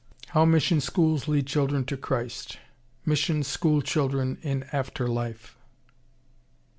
How mission schools lead children to Christ Mission school children in after life.